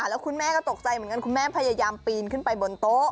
แล้วคุณแม่ก็ตกใจเหมือนกันคุณแม่พยายามปีนขึ้นไปบนโต๊ะ